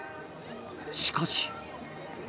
しかし。